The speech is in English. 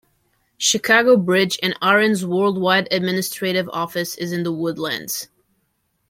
Chicago Bridge and Iron's worldwide administrative office is in The Woodlands.